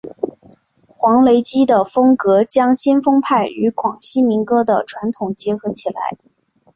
黄雷基的风格将先锋派与广西民歌的传统结合起来。